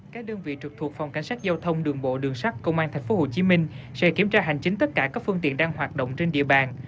các đơn vị trực thuộc phòng cảnh sát giao thông đường bộ đường sắt công an tp hcm sẽ kiểm tra hành chính tất cả các phương tiện đang hoạt động trên địa bàn